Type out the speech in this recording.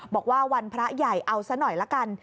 บอกว่าวันพระใหญ่เอาซะหน่อยละกัน